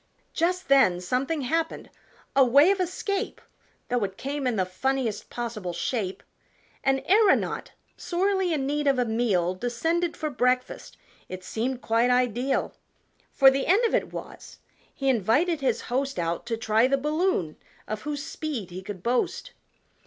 Just then something happened a way of escape, Though it came in the funniest possible shape An aeronaut, sorely in need of a meal, Descended for breakfast it seemed quite ideal! For the end of it was, he invited his host Out to try the balloon, of whose speed he could boast.